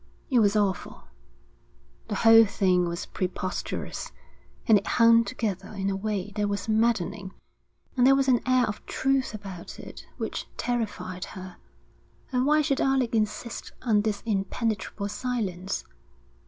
It was awful. The whole thing was preposterous, but it hung together in a way that was maddening, and there was an air of truth about it which terrified her. And why should Alec insist on this impenetrable silence?